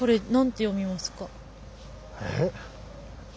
えっ？